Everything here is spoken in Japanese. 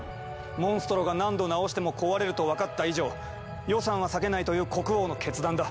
モンストロが何度なおしても壊れると分かった以上予算は割けないという国王の決断だ。